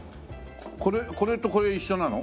これとこれ一緒なの？